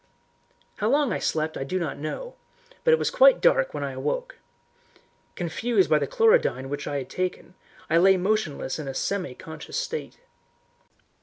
How long I slept I do not know, but it was quite dark when I awoke. Confused by the chlorodyne which I had taken, I lay motionless in a semi conscious state.